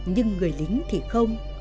nhưng người lính thì không